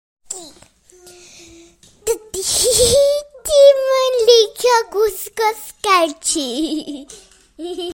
Dydi hi ddim yn licio gwisgo sgerti.